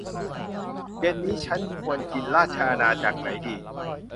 เย็นนี้ฉันควรกินราชอาณาจักรไหนดี